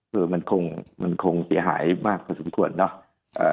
คือมันคงเสียหายมากกว่าสมควรเนาะ